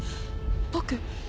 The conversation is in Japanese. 僕？